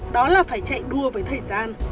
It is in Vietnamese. đó là phải chạy đua với thời gian